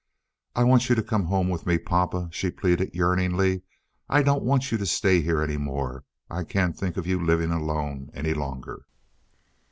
"I want you to come home with me, papa," she pleaded yearningly. "I don't want you to stay here any more. I can't think of you living alone any longer."